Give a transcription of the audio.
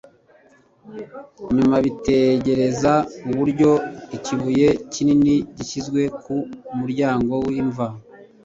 Nyuma bitegereza uburyo ikibuye kinini gishyizwe ku muryango w'imva,